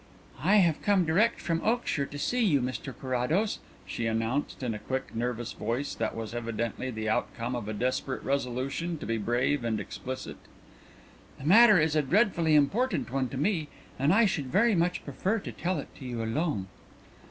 "I have come direct from Oakshire to see you, Mr Carrados," she announced, in a quick, nervous voice that was evidently the outcome of a desperate resolution to be brave and explicit. "The matter is a dreadfully important one to me and I should very much prefer to tell it to you alone."